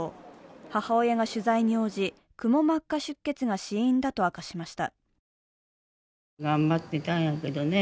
母親が取材に応じ、くも膜下出血が死因だと明かしました。